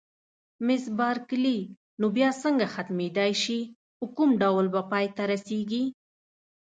مس بارکلي: نو بیا څنګه ختمېدای شي، په کوم ډول به پای ته رسېږي؟